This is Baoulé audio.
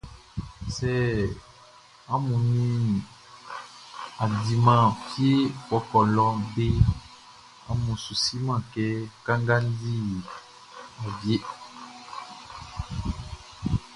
Sɛ amun nin a diman fie fɔkɔ lɔ deʼn, amun su siman kɛ kanga di awieʼn.